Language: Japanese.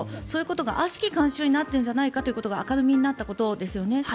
そういうことが悪しき慣習になっているんじゃないかということが明るみになったことですよね。